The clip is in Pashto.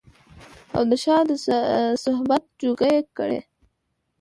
او د شاه د صحبت جوګه يې کړي